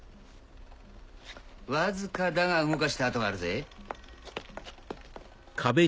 わずかだが動かした跡があるぜ。